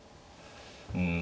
うん